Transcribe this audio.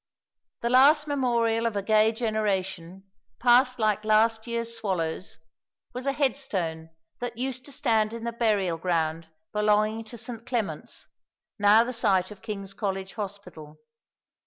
The last memorial of a gay generation, passed like last year's swallows, was a headstone that used to stand in the burial ground belonging to St. Clement's, now the site of King's College Hospital.